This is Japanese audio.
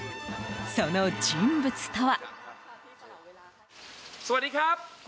その人物とは。